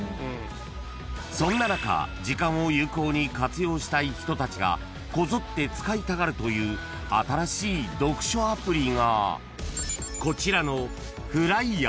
［そんな中時間を有効に活用したい人たちがこぞって使いたがるという新しい読書アプリがこちらの］